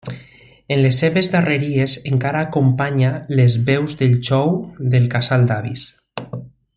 En les seves darreries encara acompanya les veus del Xou del Casal d'Avis.